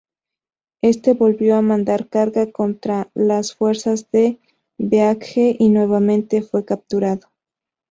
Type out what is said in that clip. Éste volvió a mandar cargar contra las fuerzas de Baekje, y nuevamente fue capturado.